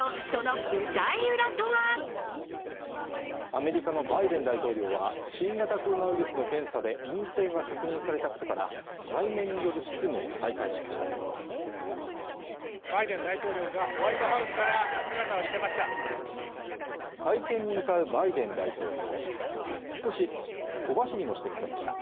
アメリカのバイデン大統領は新型コロナウイルスの検査で陰性が確認されたことから対面による執務を再開しましたバイデン大統領がホワイトハウスから姿を見せました